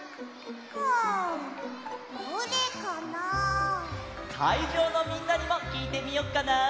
んどれかな？かいじょうのみんなにもきいてみよっかな！